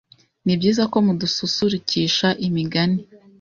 nibyiza ko mudususurikisha imigani,